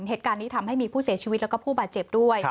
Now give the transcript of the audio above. เหตุการณ์นี้ทำให้มีผู้เสียชีวิตแล้วก็ผู้บาดเจ็บด้วย